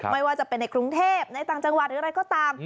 ไม่ว่าจะเป็นในกรุงเทพในต่างจังหวัดหรืออะไรก็ตาม